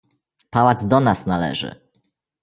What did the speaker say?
"Pałac do nas należy!"